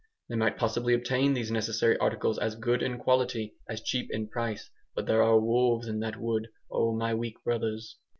They might possibly obtain these necessary articles as good in quality, as cheap in price. But there are wolves in that wood, oh, my weak brothers!